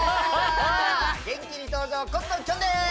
元気に登場コットンきょんです！